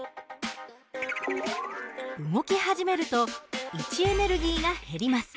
動き始めると位置エネルギーが減ります。